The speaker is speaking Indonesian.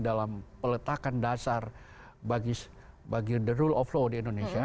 dalam peletakan dasar bagi the rule of law di indonesia